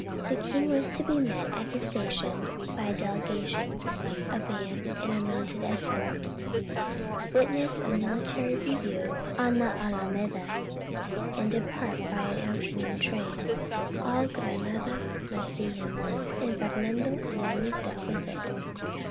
The king was to be met at the station by a delega tion, a band, and a mounted escort, witness a military review on the Alameda, and depart by an afternoon train. All Granada must see him, and Fernando and Juanita with it.